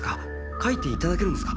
書いていただけるんですか？